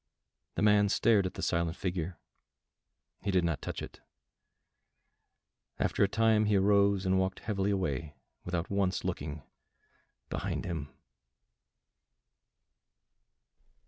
The man stared at the silent figure; he did not touch it. After a time he arose and walked heavily away without once looking behind him.